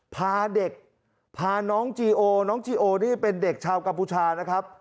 พาเด็กพาน้องจีโอน้องจีโอนี่เป็นเด็กชาวกัมพูชานะครับ